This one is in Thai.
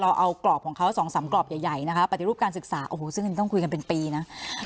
เราเอากรอบของเขา๒๓กรอบใหญ่นะคะปฏิรูปการศึกษาโอ้โหซึ่งต้องคุยกันเป็นปีนะ